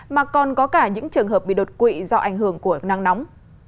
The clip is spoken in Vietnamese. mà còn có cả những trường hợp bị đột quỵ do ảnh hưởng của nắng nóng